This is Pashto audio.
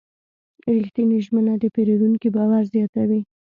رښتینې ژمنه د پیرودونکي باور زیاتوي.